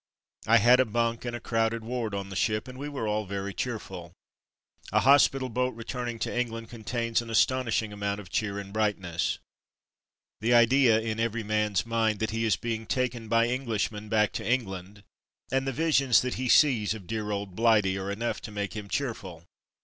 I had a bunk in a crowded ward on the ship, and we all were very cheerful. A hospital boat returning to England contains an astonishing amount of cheer and bright 140 From Mud to Mufti ness. The idea in every man's mind that he is being taken by Englishmen back to Eng land, and the visions that he sees of dear old Blighty, are enough to make him cheerful.